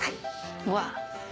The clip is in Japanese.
うわっ。